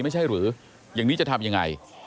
ไม่ใช่หรืออย่างนี้จะทำยังไง